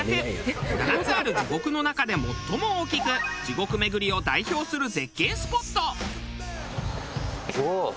７つある地獄の中で最も大きく地獄めぐりを代表する絶景スポット。